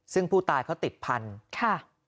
ซึ่งผู้ตายเขาติดพันธุ์ค่ะ